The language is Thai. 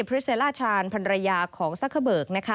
พิษเซลล่าชานพันรยาของซัครเบิร์ก